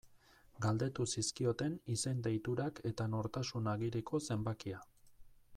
Galdetu zizkioten izen-deiturak eta nortasun agiriko zenbakia.